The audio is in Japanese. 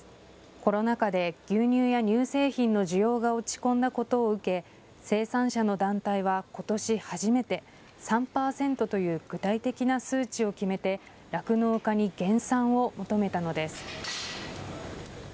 コロナ禍で牛乳や乳製品の需要が落ち込んだことを受け生産者の団体はことし初めて３％という具体的な数値を決めて酪農家に減産を求めたのです。